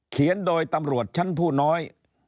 เขียนโดยตำรวจชั้นผู้น้อย